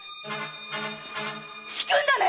仕組んだね